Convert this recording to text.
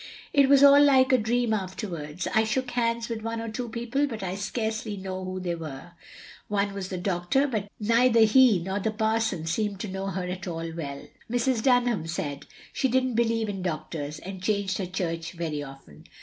It was all like a dream afterwards. I shook hands with one or two people, but I scarcely know who they were. One was the doctor but neither he nor the parson seemed to know her at all well. Mrs. Dunham said she didn't believe in doctors, and changed her church very often.